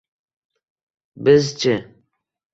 Biz-chi?